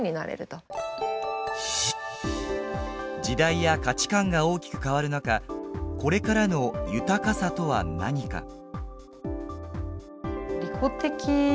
時代や価値観が大きく変わる中これからの豊かさとは何か。